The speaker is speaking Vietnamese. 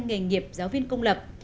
nghề nghiệp giáo viên công lập